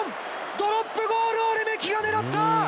ドロップゴールをレメキが狙った！